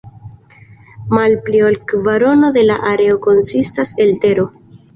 Malpli ol kvarono de la areo konsistas el tero.